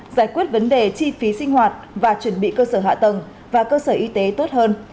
giải quyết vấn đề chi phí sinh hoạt và chuẩn bị cơ sở hạ tầng và cơ sở y tế tốt hơn